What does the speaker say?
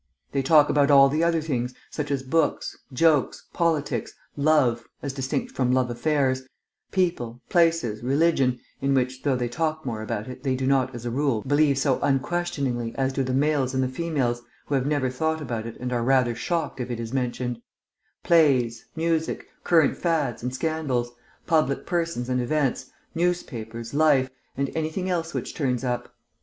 They talk about all the other things, such as books, jokes, politics, love (as distinct from love affairs), people, places, religion (in which, though they talk more about it, they do not, as a rule, believe so unquestioningly as do the males and the females, who have never thought about it and are rather shocked if it is mentioned), plays, music, current fads and scandals, public persons and events, newspapers, life, and anything else which turns up.